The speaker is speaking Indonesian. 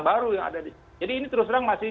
baru yang ada di sini jadi ini terus terang masih